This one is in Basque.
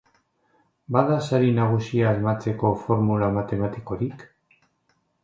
Bada sari nagusia asmatzeko formula matematikorik?